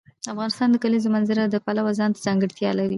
افغانستان د د کلیزو منظره د پلوه ځانته ځانګړتیا لري.